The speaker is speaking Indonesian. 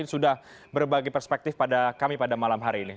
sudah berbagi perspektif pada kami pada malam hari ini